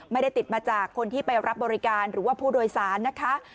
ไม่ได้ติดมาจากคนที่ไปรับบริการหรือว่าผู้โดยสารนะคะ